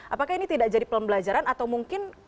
apakah ini tidak jadi pembelajaran atau mungkin